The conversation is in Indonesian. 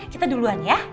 kita duluan ya